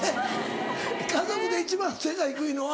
家族で一番背が低いのは。